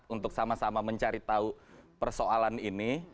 untuk sama sama mencari tahu persoalan ini